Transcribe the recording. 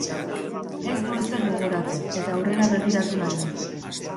Ez du ezer gogoratzen, eta aurrera begiratu nahi du.